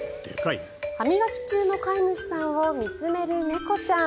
歯磨き中の飼い主さんを見つめる猫ちゃん。